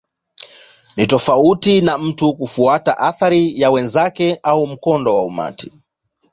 Ni tofauti na mtu kufuata athari ya wenzake au mkondo wa umati.